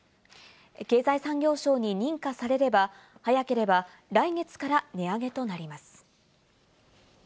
経済産業省に認可されれば、早ければ来月から値上げとなります。